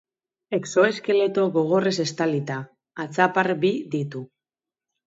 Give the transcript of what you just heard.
Exoeskeleto gogorrez estalita, atzapar bi ditu.